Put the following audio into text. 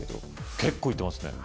結構行ってますね